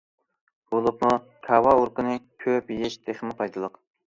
بولۇپمۇ كاۋا ئۇرۇقىنى كۆپ يېيىش تېخىمۇ پايدىلىق.